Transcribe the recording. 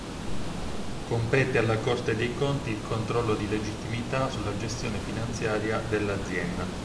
Compete alla Corte dei conti il controllo di legittimità sulla gestione finanziaria dell'azienda.